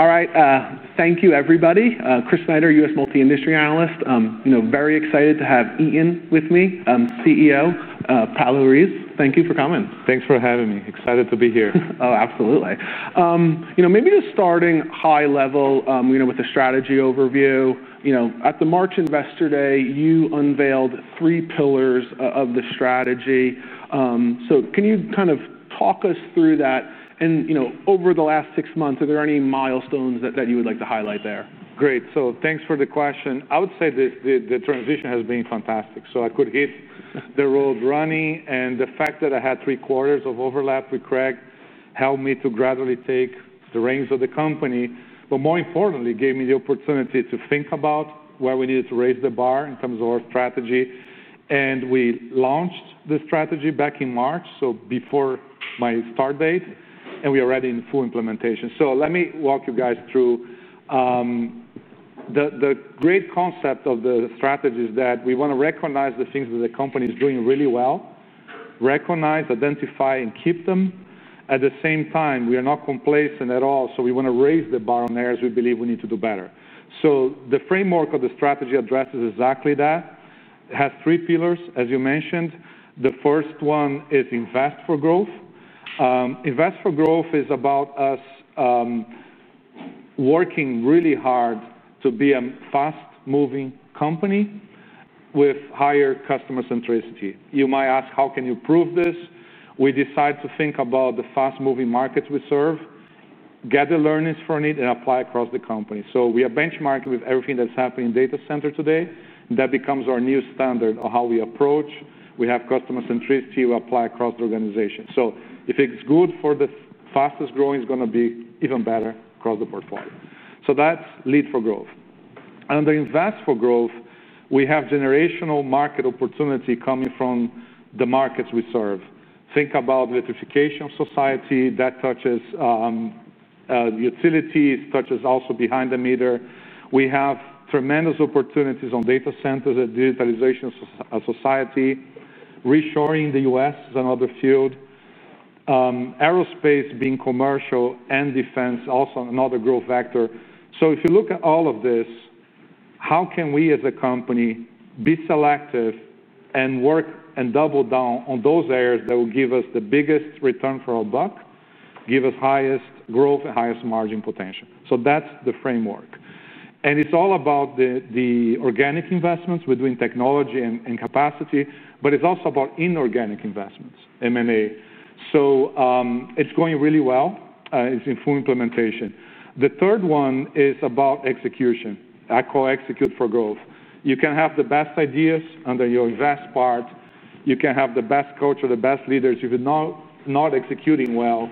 All right. Thank you, everybody. Chris Snyder, U.S. Multi-Industry Analyst. You know, very excited to have Eaton with me, CEO, Paulo Ruiz. Thank you for coming. Thanks for having me. Excited to be here. Oh, absolutely. Maybe just starting high level with the strategy overview. At the March Investor Day, you unveiled three pillars of the strategy. Can you kind of talk us through that? Over the last six months, are there any milestones that you would like to highlight there? Great. Thanks for the question. I would say that the transition has been fantastic. I could hit the road running, and the fact that I had three quarters of overlap with Craig helped me to gradually take the reins of the company, but more importantly, gave me the opportunity to think about where we needed to raise the bar in terms of our strategy. We launched the strategy back in March, before my start date, and we are already in full implementation. Let me walk you guys through. The great concept of the strategy is that we want to recognize the things that the company is doing really well, recognize, identify, and keep them. At the same time, we are not complacent at all. We want to raise the bar on areas we believe we need to do better. The framework of the strategy addresses exactly that. It has three pillars, as you mentioned. The first one is Invest for growth. Invest for growth is about us working really hard to be a fast-moving company with higher customer centricity. You might ask, how can you prove this? We decide to think about the fast-moving markets we serve, gather learnings from it, and apply across the company. We are benchmarking with everything that's happening in the data center today. That becomes our new standard on how we approach. We have customer centricity we apply across the organization. If it's good for the fastest growing, it's going to be even better across the portfolio. That's Lead for growth. Under invest for growth, we have generational market opportunity coming from the markets we serve. Think about electrification of society that touches utilities, touches also behind the meter. We have tremendous opportunities on data centers and digitalization of society. Reshoring in the U.S. is another field. Aerospace, being commercial and defense, is also another growth vector. If you look at all of this, how can we as a company be selective and work and double down on those areas that will give us the biggest return for our buck, give us highest growth and highest margin potential? That's the framework. It's all about the organic investments. We're doing technology and capacity, but it's also about inorganic investments, M&A. It's going really well. It's in full implementation. The third one is about execution. I call Execute for growth. You can have the best ideas under your invest part. You can have the best culture, the best leaders. If you're not executing well,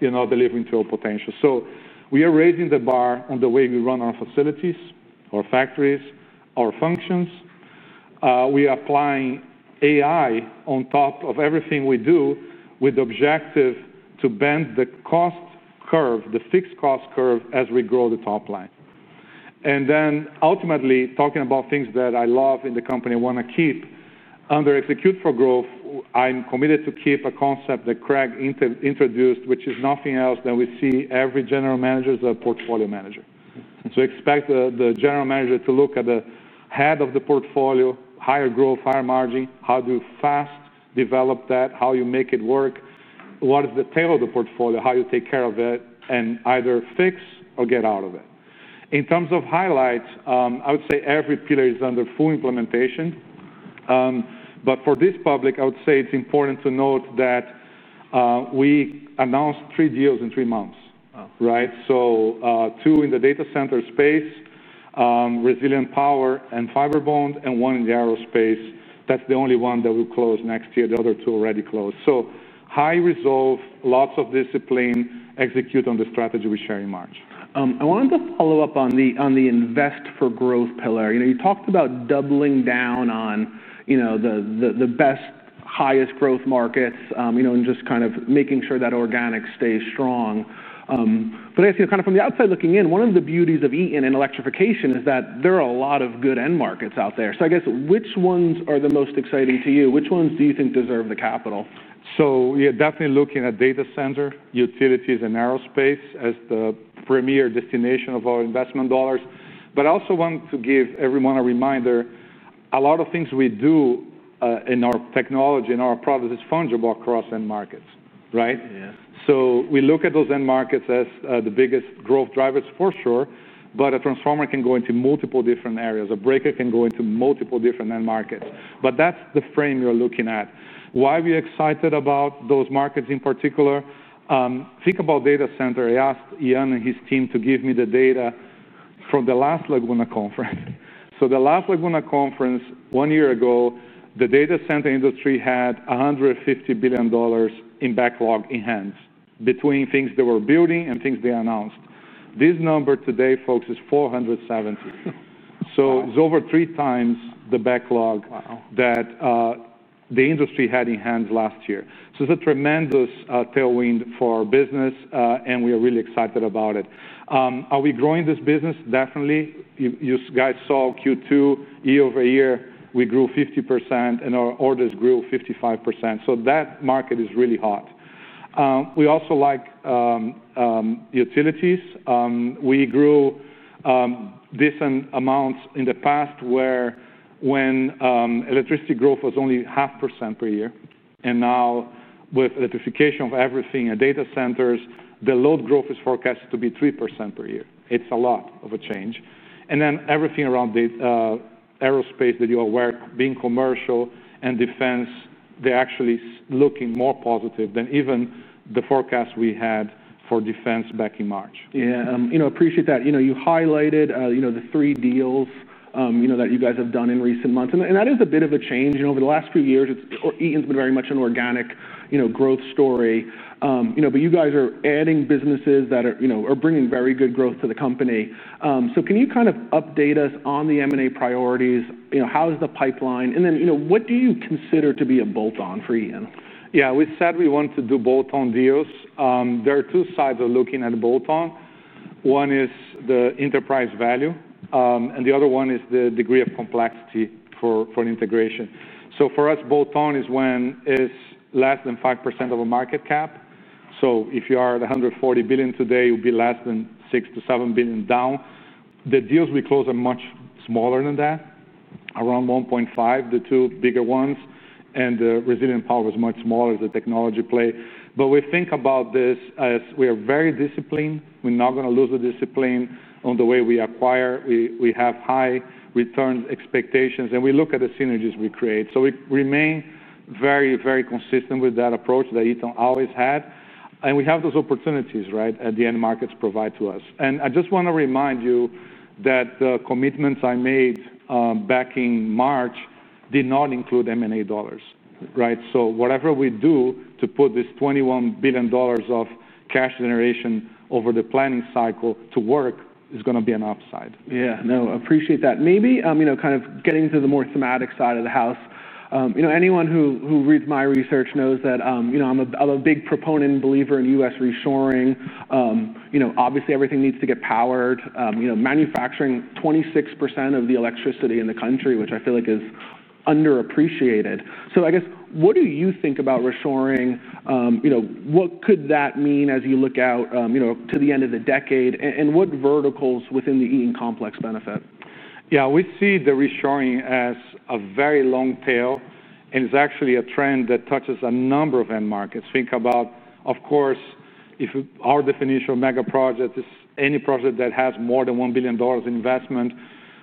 you're not delivering to a potential. We are raising the bar on the way we run our facilities, our factories, our functions. We are applying AI on top of everything we do with the objective to bend the cost curve, the fixed cost curve, as we grow the top line. Ultimately, talking about things that I love in the company and want to keep. Under execute for growth, I'm committed to keep a concept that Craig Arnold introduced, which is nothing else than we see every general manager as a portfolio manager. Expect the general manager to look at the head of the portfolio, higher growth, higher margin, how do you fast develop that, how you make it work, what is the tail of the portfolio, how you take care of it and either fix or get out of it. In terms of highlights, I would say every pillar is under full implementation. For this public, I would say it's important to note that we announced three deals in three months, right? Two in the data center space, Resilient Power and Fibrebond, and one in the aerospace. That's the only one that will close next year. The other two already closed. High resolve, lots of discipline, execute on the strategy we share in March. I wanted to follow up on the invest for growth pillar. You talked about doubling down on the best, highest growth markets and just kind of making sure that organics stay strong. I think kind of from the outside looking in, one of the beauties of Eaton and electrification is that there are a lot of good end markets out there. I guess which ones are the most exciting to you? Which ones do you think deserve the capital? You're definitely looking at data center, utilities, and aerospace as the premier destination of our investment dollars. I also want to give everyone a reminder, a lot of things we do in our technology and our products are fungible across end markets, right? Yes. We look at those end markets as the biggest growth drivers for sure. A transformer can go into multiple different areas. A breaker can go into multiple different end markets. That's the frame you're looking at. Why are we excited about those markets in particular? Think about data center. I asked Yan and his team to give me the data from the last Laguna conference. The last Laguna conference one year ago, the data center industry had $150 billion in backlog in hands between things they were building and things they announced. This number today, folks, is $470 billion. It's over 3x the backlog that the industry had in hands last year. It's a tremendous tailwind for our business, and we are really excited about it. Are we growing this business? Definitely. You guys saw Q2, year-over-year, we grew 50% and our orders grew 55%. That market is really hot. We also like utilities. We grew decent amounts in the past where electricity growth was only 0.5% per year. Now with electrification of everything at data centers, the load growth is forecasted to be 3%/year. It's a lot of a change. Everything around aerospace, that you're aware, being commercial and defense, they're actually looking more positive than even the forecast we had for defense back in March. Yeah. I appreciate that. You highlighted the three deals that you guys have done in recent months. That is a bit of a change. Over the last few years, Eaton's been very much an organic growth story. You guys are adding businesses that are bringing very good growth to the company. Can you kind of update us on the M&A priorities? How is the pipeline? What do you consider to be a bolt-on for Eaton? Yeah, we said we want to do bolt-on deals. There are two sides of looking at bolt-on. One is the enterprise value, and the other one is the degree of complexity for an integration. For us, bolt-on is when it's less than 5% of a market cap. If you are at $140 billion today, it would be less than $6 billion-$7 billion. The deals we close are much smaller than that, around $1.5 billion, the two bigger ones. Resilient Power is much smaller, the technology play. We think about this as we are very disciplined. We're not going to lose the discipline on the way we acquire. We have high return expectations, and we look at the synergies we create. We remain very, very consistent with that approach that Eaton always had. We have those opportunities that the end markets provide to us. I just want to remind you that the commitments I made back in March did not include M&A dollars, right? Whatever we do to put this $21 billion of cash generation over the planning cycle to work is going to be an upside. Yeah, no, I appreciate that. Maybe kind of getting to the more thematic side of the house. You know, anyone who reads my research knows that I'm a big proponent and believer in U.S. reshoring. Obviously, everything needs to get powered. Manufacturing is 26% of the electricity in the country, which I feel like is underappreciated. I guess what do you think about reshoring? What could that mean as you look out to the end of the decade, and what verticals within the Eaton complex benefit? Yeah, we see the reshoring as a very long tail, and it's actually a trend that touches a number of end markets. Think about, of course, if our definition of mega project is any project that has more than $1 billion in investment,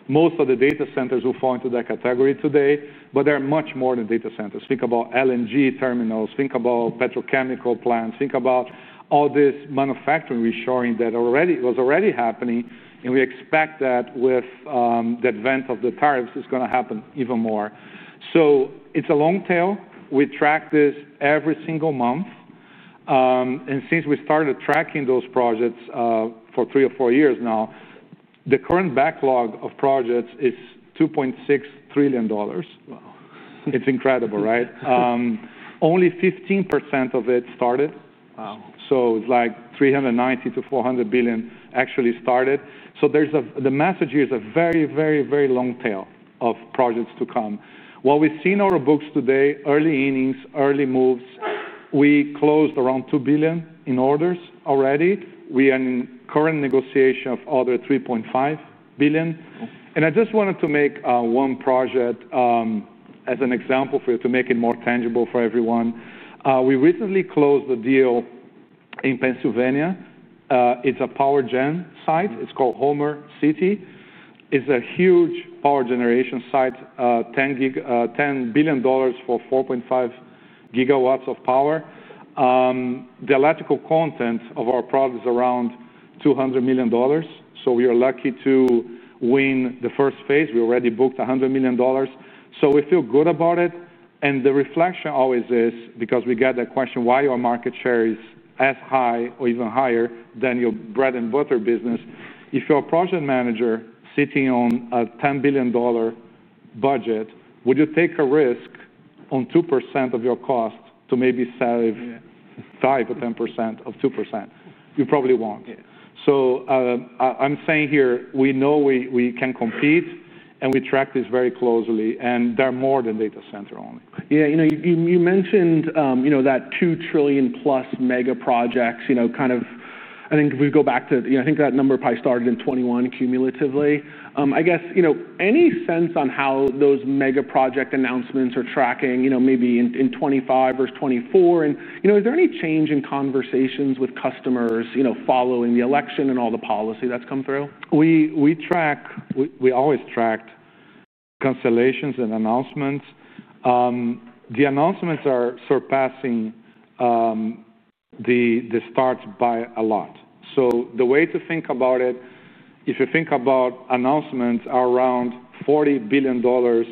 most of the data centers will fall into that category today. There are much more than data centers. Think about LNG terminals, think about petrochemical plants, think about all this manufacturing reshoring that was already happening. We expect that with the advent of the tariffs, it's going to happen even more. It's a long tail. We track this every single month. Since we started tracking those projects for three or four years now, the current backlog of projects is $2.6 trillion. Wow. It's incredible, right? Only 15% of it started. Wow. It's like $390 billion-$400 billion actually started. The message here is a very, very, very long tail of projects to come. What we see in our books today, early innings, early moves, we closed around $2 billion in orders already. We are in current negotiation of another $3.5 billion. I just wanted to make one project as an example for you to make it more tangible for everyone. We recently closed a deal in Pennsylvania. It's a power gen site. It's called Homer City. It's a huge power generation site, $10 billion for 4.5 GW of power. The electrical content of our product is around $200 million. We are lucky to win the first phase. We already booked $100 million. We feel good about it. The reflection always is, because we get that question, why your market share is as high or even higher than your bread and butter business? If you're a project manager sitting on a $10 billion budget, would you take a risk on 2% of your costs to maybe save 5% or 10% of 2%? You probably won't. I'm saying here, we know we can compete, and we track this very closely, and they're more than data center only. Yeah, you mentioned that $2 trillion+ mega projects. I think if we go back to, I think that number probably started in 2021 cumulatively. I guess, any sense on how those mega project announcements are tracking, maybe in 2025 or 2024? Is there any change in conversations with customers following the election and all the policy that's come through? We track, we always track cancellations and announcements. The announcements are surpassing the starts by a lot. The way to think about it, if you think about announcements, is around $40 billion/month.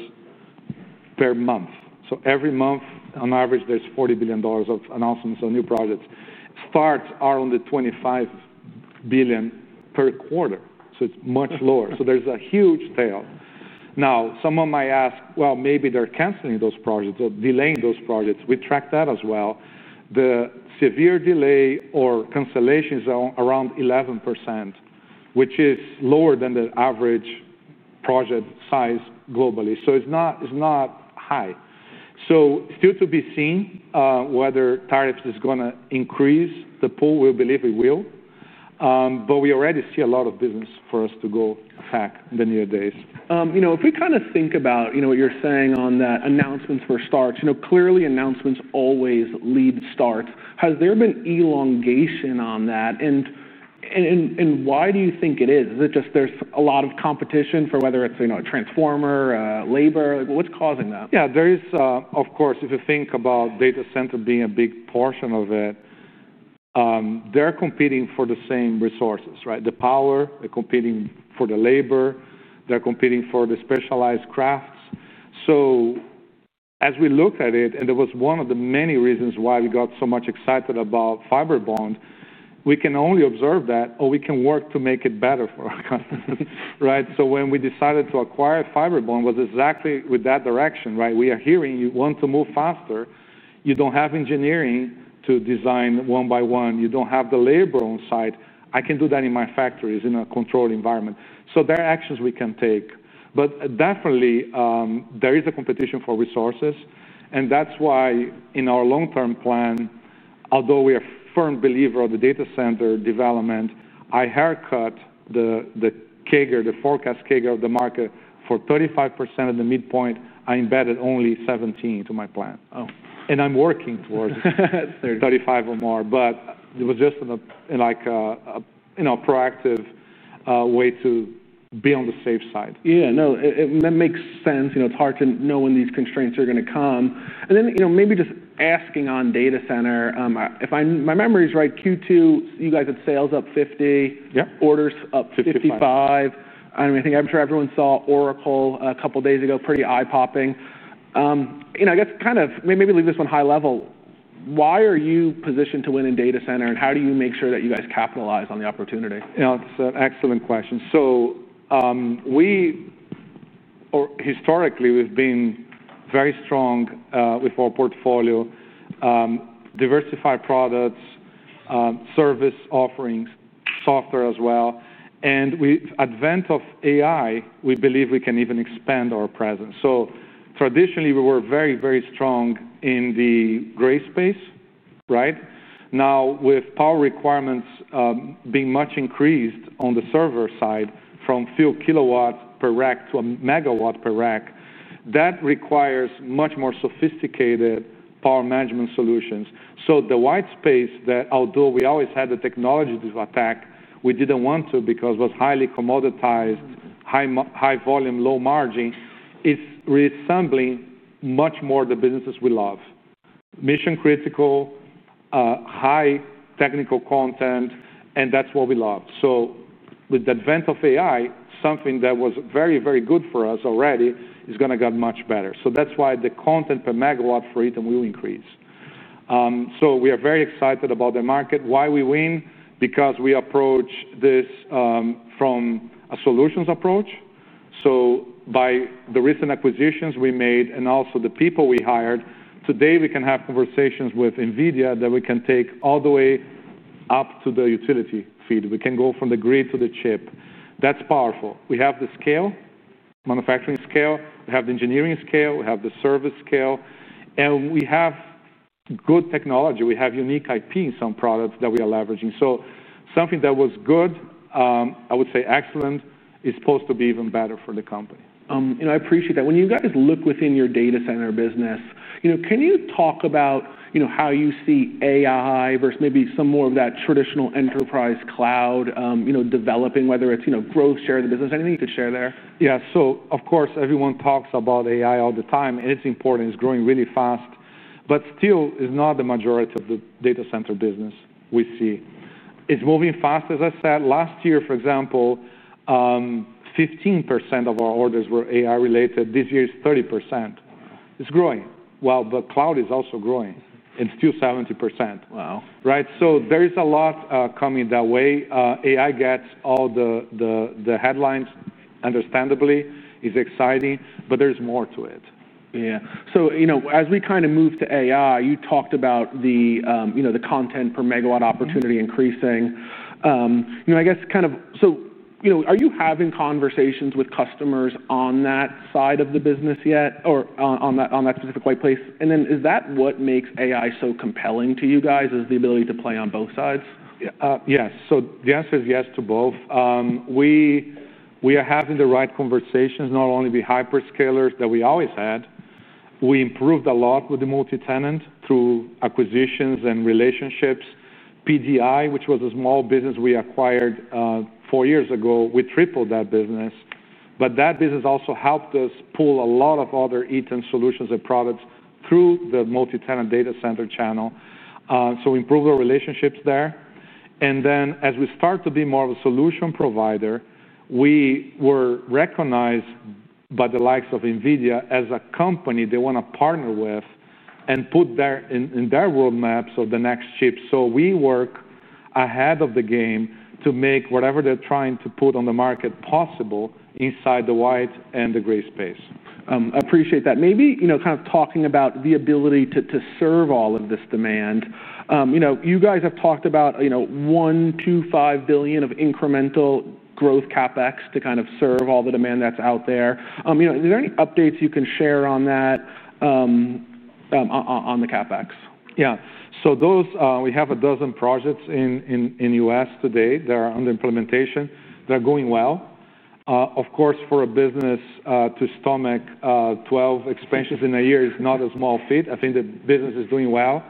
Every month, on average, there's $40 billion of announcements on new projects. Starts are on the $25 billion/quarter, so it's much lower. There's a huge tail. Someone might ask, maybe they're canceling those projects or delaying those projects. We track that as well. The severe delay or cancellation is around 11%, which is lower than the average project size globally. It's not high. Still to be seen whether tariffs are going to increase the pool, we believe it will. We already see a lot of business for us to go back in the new days. If we kind of think about what you're saying on that announcements for starts, clearly announcements always lead starts. Has there been elongation on that? Why do you think it is? Is it just there's a lot of competition for whether it's a transformer, labor? What's causing that? Yeah, there is, of course, if you think about data center being a big portion of it, they're competing for the same resources, right? The power, they're competing for the labor, they're competing for the specialized crafts. As we look at it, and it was one of the many reasons why we got so much excited about Fibrebond, we can only observe that or we can work to make it better for our customers, right? When we decided to acquire Fibrebond, it was exactly with that direction, right? We are hearing you want to move faster. You don't have engineering to design one by one. You don't have the labor on site. I can do that in my factories, in a controlled environment. There are actions we can take. Definitely, there is a competition for resources. That's why in our long-term plan, although we are a firm believer of the data center development, I haircut the CAGR, the forecast CAGR of the market for 35% of the midpoint. I embedded only 17% to my plan. I'm working towards 35% or more. It was just a proactive way to be on the safe side. Yeah, no, that makes sense. It's hard to know when these constraints are going to come. Maybe just asking on data center, if my memory is right, Q2, you guys had sales up 50%, orders up 55%. I'm not even sure everyone saw Oracle a couple of days ago, pretty eye-popping. I guess kind of maybe leave this one high level. Why are you positioned to win in data center? How do you make sure that you guys capitalize on the opportunity? Yeah, that's an excellent question. Historically, we've been very strong with our portfolio, diversified products, service offerings, software as well. With the advent of AI, we believe we can even expand our presence. Traditionally, we were very, very strong in the gray space, right? Now, with power requirements being much increased on the server side from a few kilowatts per rack to a megawatt per rack, that requires much more sophisticated power management solutions. The white space that although we always had the technology to attack, we didn't want to because it was highly commoditized, high volume, low margin, it's resembling much more the businesses we love. Mission-critical, high technical content, and that's what we love. With the advent of AI, something that was very, very good for us already is going to get much better. That's why the content per megawatt for Eaton will increase. We are very excited about the market. Why do we win? Because we approach this from a solutions approach. By the recent acquisitions we made and also the people we hired, today we can have conversations with NVIDIA that we can take all the way up to the utility feed. We can go from the grid to the chip. That's powerful. We have the scale, manufacturing scale. We have the engineering scale. We have the service scale. We have good technology. We have unique IP in some products that we are leveraging. Something that was good, I would say excellent, is supposed to be even better for the company. I appreciate that. When you guys look within your data center business, can you talk about how you see AI versus maybe some more of that traditional enterprise cloud developing, whether it's growth share of the business, anything you could share there? Yeah, of course everyone talks about AI all the time, and it's important. It's growing really fast. It's not the majority of the data center business we see. It's moving fast, as I said. Last year, for example, 15% of our orders were AI-related. This year is 30%. It's growing. The cloud is also growing. It's still 70%. Wow. Right? There is a lot coming that way. AI gets all the headlines, understandably. It's exciting, but there's more to it. Yeah, as we kind of move to AI, you talked about the content per megawatt opportunity increasing. I guess, are you having conversations with customers on that side of the business yet or on that specific white place? Is that what makes AI so compelling to you guys, the ability to play on both sides? Yes. The answer is yes to both. We are having the right conversations, not only the hyperscalers that we always had. We improved a lot with the multi-tenant through acquisitions and relationships. PDI, which was a small business we acquired four years ago, we tripled that business. That business also helped us pull a lot of other Eaton solutions and products through the multi-tenant data center channel. We improved our relationships there. As we start to be more of a solution provider, we were recognized by the likes of NVIDIA as a company they want to partner with and put in their roadmaps of the next chip. We work ahead of the game to make whatever they're trying to put on the market possible inside the white and the gray space. I appreciate that. Maybe, you know, kind of talking about the ability to serve all of this demand. You know, you guys have talked about $1.25 billion of incremental growth CapEx to kind of serve all the demand that's out there. Is there any updates you can share on that, on the CapEx? Yeah. We have a dozen projects in the U.S. today that are under implementation. They're going well. Of course, for a business to stomach 12 expansions in a year is not a small feat. I think the business is doing well,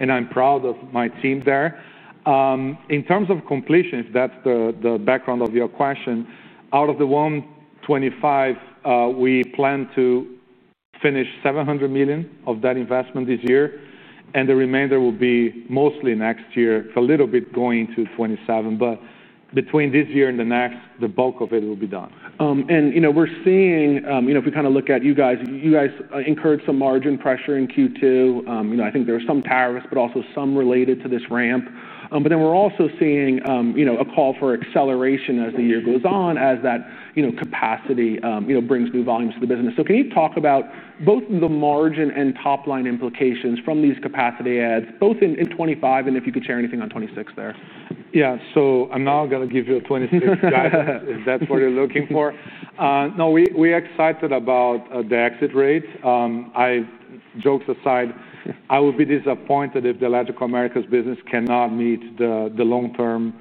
and I'm proud of my team there. In terms of completion, if that's the background of your question, out of the $1.25 billion, we plan to finish $700 million of that investment this year, and the remainder will be mostly next year. It's a little bit going to 2027, but between this year and the next, the bulk of it will be done. We're seeing, if we kind of look at you guys, you guys incurred some margin pressure in Q2. I think there are some tariffs, but also some related to this ramp. We're also seeing a call for acceleration as the year goes on, as that capacity brings new volumes to the business. Can you talk about both the margin and top line implications from these capacity adds, both in 2025, and if you could share anything on 2026 there? Yeah, so I'm not going to give you a 2026 guide, if that's what you're looking for. No, we're excited about the exit rate. Jokes aside, I would be disappointed if the large Americas business cannot meet the long-term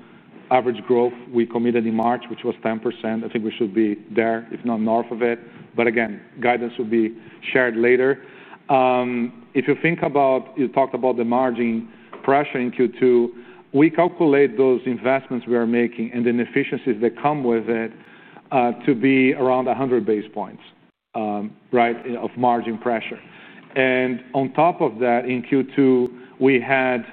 average growth we committed in March, which was 10%. I think we should be there, if not north of it. Guidance will be shared later. If you think about, you talked about the margin pressure in Q2, we calculate those investments we are making and the inefficiencies that come with it to be around 100 basis points, right, of margin pressure. On top of that, in Q2, we had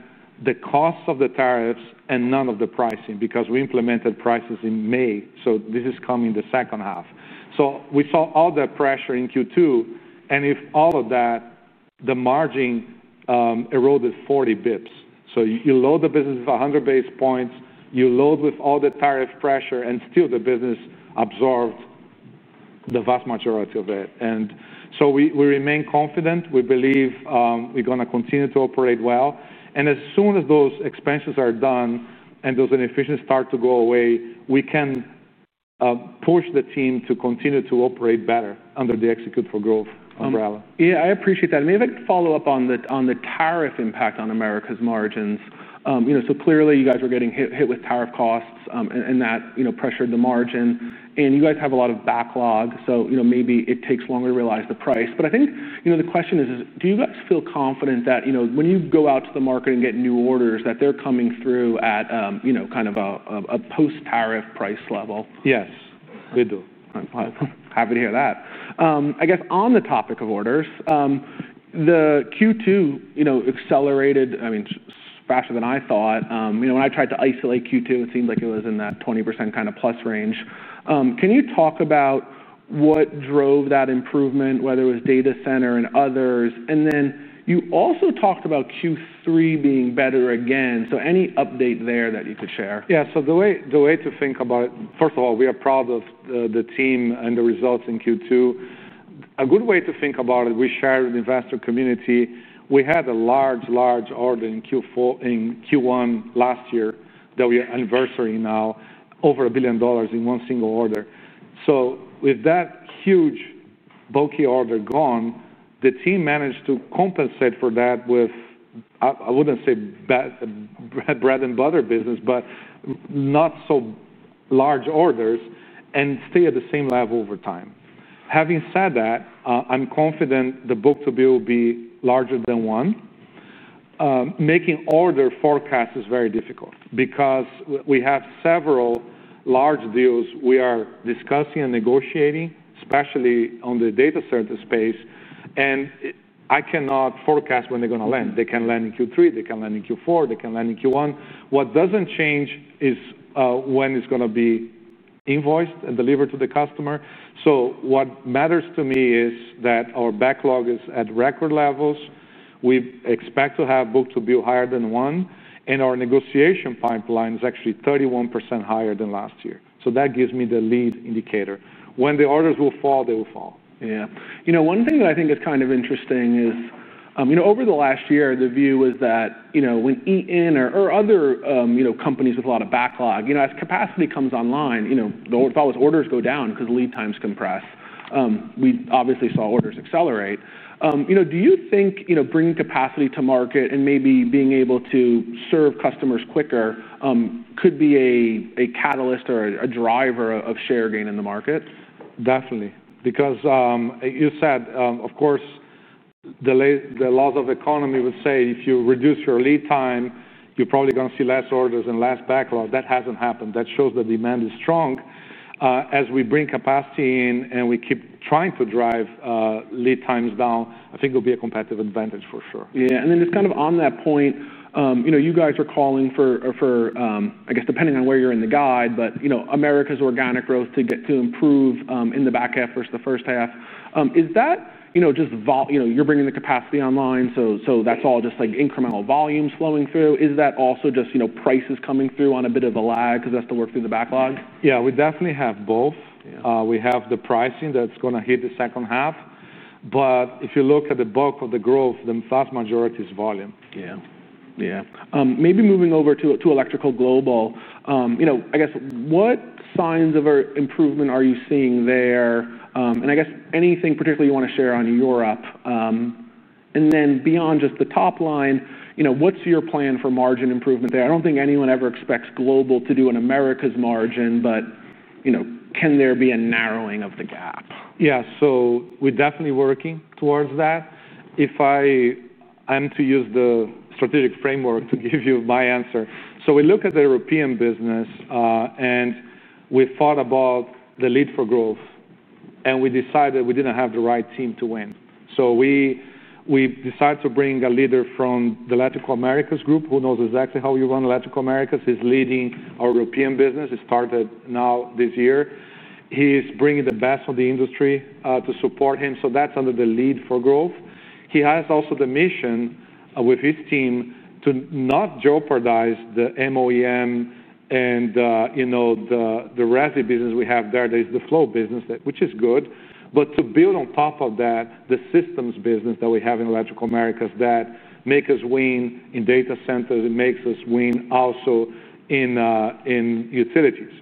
the costs of the tariffs and none of the pricing because we implemented prices in May. This is coming the second half. We saw all that pressure in Q2, and if all of that, the margin eroded 40 basis points. You load the business with 100 basis points, you load with all the tariff pressure, and still the business absorbed the vast majority of it. We remain confident. We believe we're going to continue to operate well. As soon as those expenses are done and those inefficiencies start to go away, we can push the team to continue to operate better under the execute for growth umbrella. Yeah, I appreciate that. Maybe I can follow up on the tariff impact on Americas margins. You know, clearly you guys were getting hit with tariff costs, and that pressured the margin. You guys have a lot of backlog, so maybe it takes longer to realize the price. I think the question is, do you guys feel confident that when you go out to the market and get new orders, that they're coming through at kind of a post-tariff price level? Yes, they do. Happy to hear that. I guess on the topic of orders, the Q2 accelerated, I mean, faster than I thought. When I tried to isolate Q2, it seemed like it was in that 20% kind of plus range. Can you talk about what drove that improvement, whether it was data center and others? You also talked about Q3 being better again. Any update there that you could share? Yeah, so the way to think about it, first of all, we are proud of the team and the results in Q2. A good way to think about it, we shared with the investor community, we had a large, large order in Q1 last year that we are anniversary now, over $1 billion in one single order. With that huge bulky order gone, the team managed to compensate for that with, I wouldn't say bad bread and butter business, but not so large orders and stay at the same level over time. Having said that, I'm confident the book-to-build will be larger than one. Making order forecasts is very difficult because we have several large deals we are discussing and negotiating, especially on the data center space. I cannot forecast when they're going to land. They can land in Q3, they can land in Q4, they can land in Q1. What doesn't change is when it's going to be invoiced and delivered to the customer. What matters to me is that our backlog is at record levels. We expect to have book-to-build higher than one, and our negotiation pipeline is actually 31% higher than last year. That gives me the lead indicator. When the orders will fall, they will fall. Yeah. One thing that I think is kind of interesting is, over the last year, the view was that when Eaton or other companies with a lot of backlog, as capacity comes online, the thought was orders go down because lead times compress. We obviously saw orders accelerate. Do you think bringing capacity to market and maybe being able to serve customers quicker could be a catalyst or a driver of share gain in the market? Definitely. Because you said, of course, the laws of the economy would say if you reduce your lead time, you're probably going to see less orders and less backlog. That hasn't happened. That shows the demand is strong. As we bring capacity in and we keep trying to drive lead times down, I think it'll be a competitive advantage for sure. Yeah, just kind of on that point, you guys are calling for, I guess, depending on where you're in the guide, but America's organic growth to improve in the back efforts, the first half. Is that just, you're bringing the capacity online, so that's all just like incremental volumes flowing through? Is that also just prices coming through on a bit of a lag because that's to work through the backlog? Yeah, we definitely have both. We have the pricing that's going to hit the second half. If you look at the bulk of the growth, the vast majority is volume. Yeah. Maybe moving over to Electrical Global, you know, I guess what signs of improvement are you seeing there? I guess anything particularly you want to share on Europe. Beyond just the top line, you know, what's your plan for margin improvement there? I don't think anyone ever expects Global to do an Americas margin, but, you know, can there be a narrowing of the gap? Yeah, so we're definitely working towards that. If I am to use the strategic framework to give you my answer. We look at the European business, and we thought about the lead for growth, and we decided we didn't have the right team to win. We decided to bring a leader from the Electrical Americas Group who knows exactly how you run Electrical Americas. He's leading our European business. He started now this year. He's bringing the best of the industry to support him. That's under the lead for growth. He has also the mission with his team to not jeopardize the MOEM and, you know, the residue business we have there that is the flow business, which is good. To build on top of that, the systems business that we have in Electrical Americas that makes us win in data centers and makes us win also in utilities.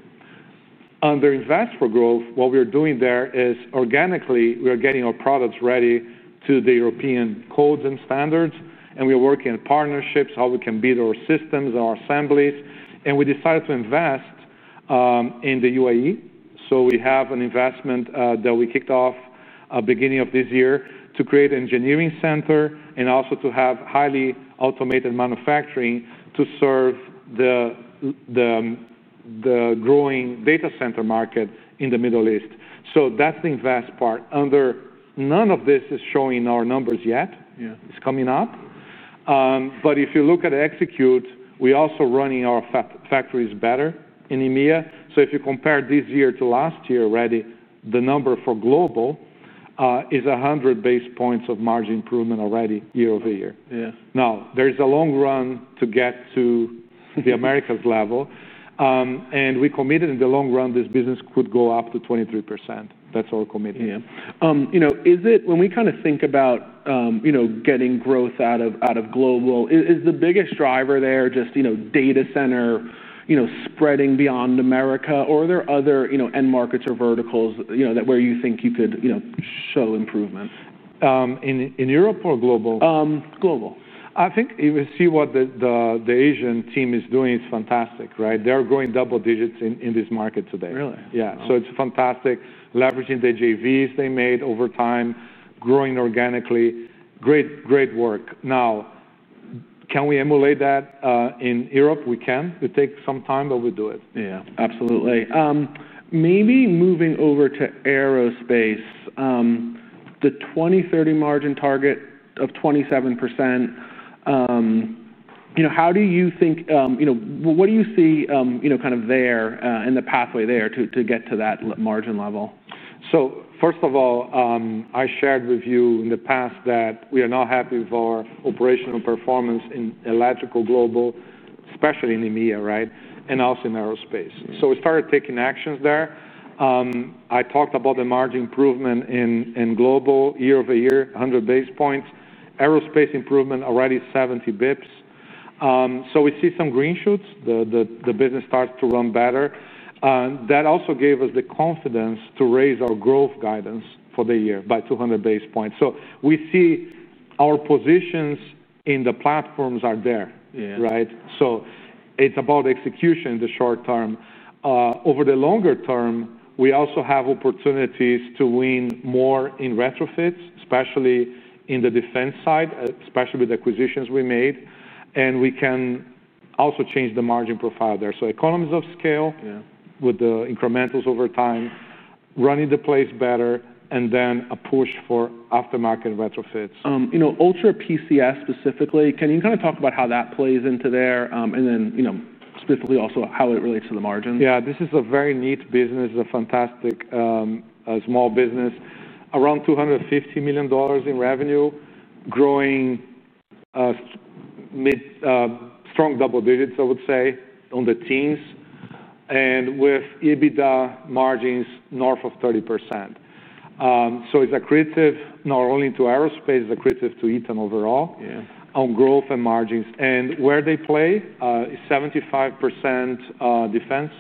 Under invest for growth, what we are doing there is organically, we are getting our products ready to the European codes and standards, and we are working in partnerships, how we can beat our systems and our assemblies. We decided to invest in the U.A.E.. We have an investment that we kicked off at the beginning of this year to create an engineering center and also to have highly automated manufacturing to serve the growing data center market in the Middle East. That's the invest part. None of this is showing our numbers yet. It's coming up. If you look at execute, we're also running our factories better in EMEA. If you compare this year to last year already, the number for global is 100 base points of margin improvement already year-over-year. Yeah. Now, there's a long run to get to the Americas level. We committed in the long run this business could go up to 23%. That's all committed. Yeah. Is it, when we kind of think about getting growth out of global, is the biggest driver there just data center spreading beyond Americas? Or are there other end markets or verticals where you think you could show improvement? In Europe or global? Global. I think you see what the Asian team is doing is fantastic, right? They're growing double-digits in this market today. Really? Yeah, it's fantastic. Leveraging the JVs they made over time, growing organically. Great, great work. Now, can we emulate that in Europe? We can. It takes some time, but we do it. Absolutely. Maybe moving over to aerospace, the 2030 margin target of 27%. How do you think, what do you see there in the pathway to get to that margin level? First of all, I shared with you in the past that we are not happy with our operational performance in Electrical Global, especially in EMEA, right? Also in Aerospace. We started taking actions there. I talked about the margin improvement in Global year-over-year, 100 basis points. Aerospace improvement already 70 basis points. We see some green shoots. The business starts to run better. That also gave us the confidence to raise our growth guidance for the year by 200 basis points. We see our positions in the platforms are there, right? It's about execution in the short term. Over the longer term, we also have opportunities to win more in retrofits, especially in the defense side, especially with acquisitions we made. We can also change the margin profile there. Economies of scale with the incrementals over time, running the place better, and then a push for aftermarket retrofits. You know, Ultra PCS specifically, can you kind of talk about how that plays into there? Can you also talk about how it relates to the margin? Yeah, this is a very neat business. It's a fantastic small business. Around $250 million in revenue, growing strong double-digits, I would say, on the teens and with EBITDA margins north of 30%. It's accretive not only to aerospace, it's accretive to Eaton overall on growth and margins. Where they play is 75% defense,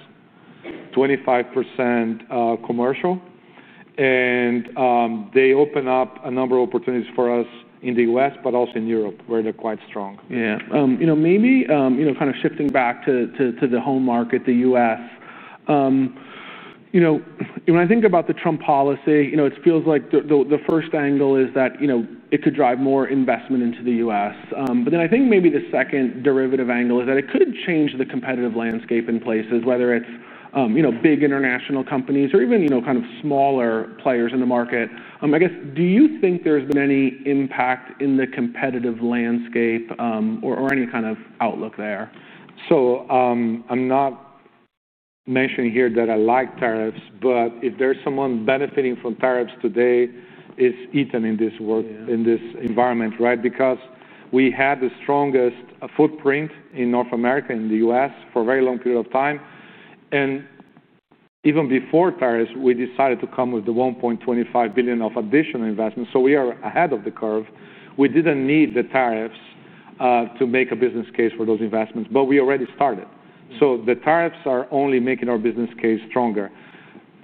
25% commercial. They open up a number of opportunities for us in the U.S., but also in Europe where they're quite strong. Yeah. Maybe kind of shifting back to the home market, the U.S. When I think about the Trump policy, it feels like the first angle is that it could drive more investment into the U.S. I think maybe the second derivative angle is that it could change the competitive landscape in places, whether it's big international companies or even kind of smaller players in the market. I guess, do you think there's been any impact in the competitive landscape or any kind of outlook there? I'm not mentioning here that I like tariffs, but if there's someone benefiting from tariffs today, it's Eaton in this environment, right? We had the strongest footprint in North America, in the U.S., for a very long period of time. Even before tariffs, we decided to come with the $1.25 billion of additional investments. We are ahead of the curve. We didn't need the tariffs to make a business case for those investments, but we already started. The tariffs are only making our business case stronger.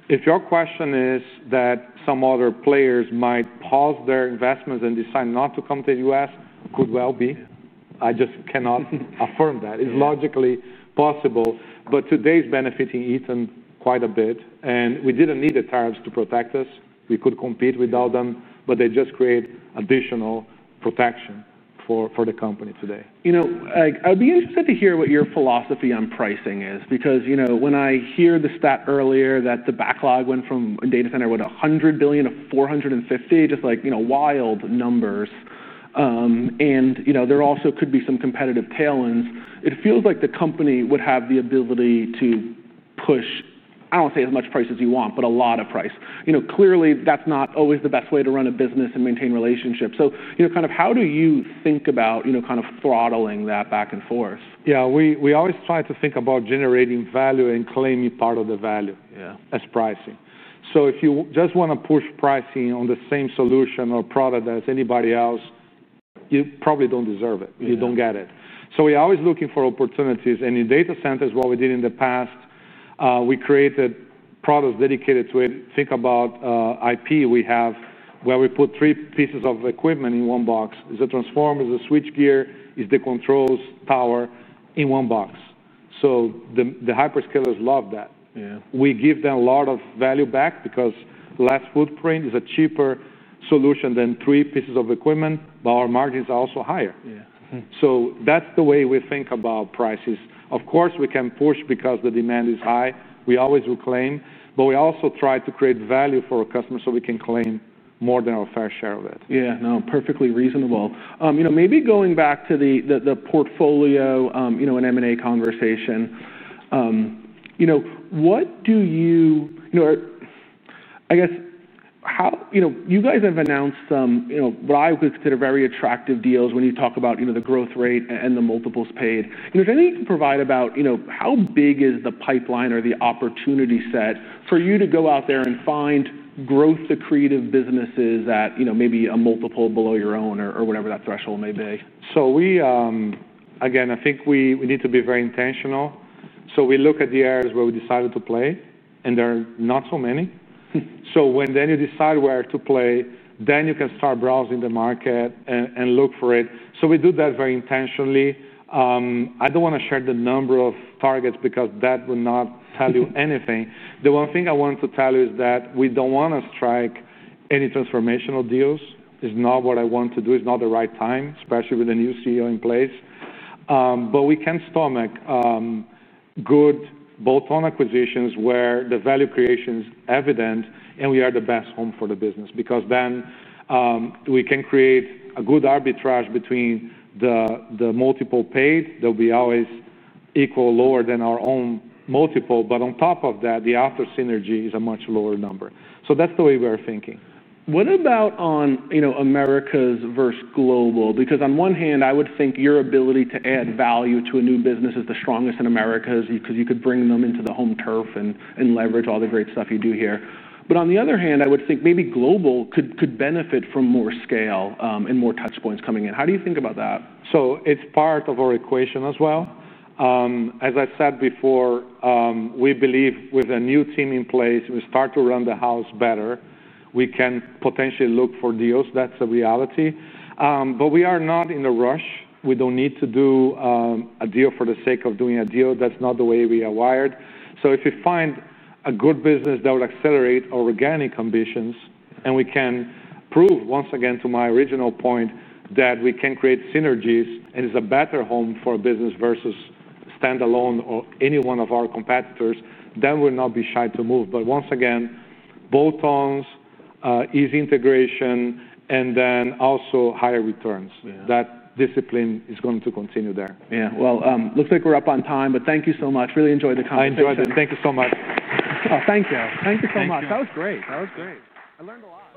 If your question is that some other players might pause their investments and decide not to come to the U.S., it could well be. I just cannot affirm that. It's logically possible. Today's benefiting Eaton quite a bit. We didn't need the tariffs to protect us. We could compete without them, but they just create additional protection for the company today. I'd be interested to hear what your philosophy on pricing is because, when I hear the stat earlier that the backlog went from a data center with $100 billion-$450 billion, just wild numbers. There also could be some competitive tailwinds. It feels like the company would have the ability to push, I don't want to say as much price as you want, but a lot of price. Clearly that's not always the best way to run a business and maintain relationships. How do you think about throttling that back and forth? Yeah, we always try to think about generating value and claiming part of the value as pricing. If you just want to push pricing on the same solution or product as anybody else, you probably don't deserve it. You don't get it. We are always looking for opportunities. In data centers, what we did in the past, we created products dedicated to it. Think about IP we have where we put three pieces of equipment in one box. It's a transformer, it's a switchgear, it's the controls tower in one box. The hyperscalers love that. We give them a lot of value back because less footprint is a cheaper solution than three pieces of equipment, but our margins are also higher. That's the way we think about prices. Of course, we can push because the demand is high. We always will claim, but we also try to create value for our customers so we can claim more than our fair share of it. Yeah, no, perfectly reasonable. Maybe going back to the portfolio, an M&A conversation. What do you, I guess, how, you guys have announced what I would consider very attractive deals when you talk about the growth rate and the multiples paid. Is there anything you can provide about how big is the pipeline or the opportunity set for you to go out there and find growth to creative businesses at maybe a multiple below your own or whatever that threshold may be? I think we need to be very intentional. We look at the areas where we decided to play, and there are not so many. When you decide where to play, you can start browsing the market and look for it. We do that very intentionally. I don't want to share the number of targets because that would not tell you anything. The one thing I want to tell you is that we don't want to strike any transformational deals. It's not what I want to do. It's not the right time, especially with a new CEO in place. We can stomach good bolt-on acquisitions where the value creation is evident and we are the best home for the business because then we can create a good arbitrage between the multiple paid that will be always equal or lower than our own multiple. On top of that, the after synergy is a much lower number. That's the way we are thinking. What about on, you know, Americas versus Global? Because on one hand, I would think your ability to add value to a new business is the strongest in Americas because you could bring them into the home turf and leverage all the great stuff you do here. On the other hand, I would think maybe Global could benefit from more scale and more touchpoints coming in. How do you think about that? It is part of our equation as well. As I said before, we believe with a new team in place, we start to run the house better. We can potentially look for deals. That is a reality. We are not in a rush. We do not need to do a deal for the sake of doing a deal. That is not the way we are wired. If we find a good business that will accelerate our organic ambitions, and we can prove once again to my original point that we can create synergies and it is a better home for a business versus standalone or any one of our competitors, we will not be shy to move. Once again, bolt-ons, easy integration, and then also higher returns. That discipline is going to continue there. Yeah, it looks like we're up on time, but thank you so much. Really enjoyed the conversation. I enjoyed it. Thank you so much. Thank you. Thank you so much. That was great. I learned a lot.